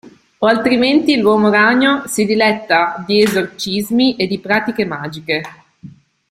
O altrimenti l'uomo ragno si diletta di esorcismi e di pratiche magiche.